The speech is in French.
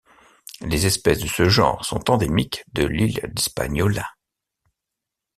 Les espèces de ce genre sont endémiques de l'île d'Hispaniola.